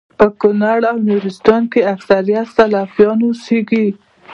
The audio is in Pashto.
په کونړ او نورستان کي اکثريت سلفيان اوسيږي